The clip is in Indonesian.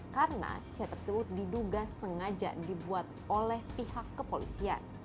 karena chat tersebut diduga sengaja dibuat oleh pihak kepolisian